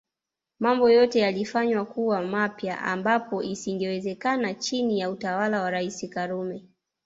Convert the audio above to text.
Mambo yote yalifanywa kuwa mapya ambapo isingewezekana chini ya utawala wa Rais Karume